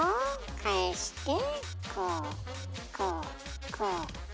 返してこうこうこう。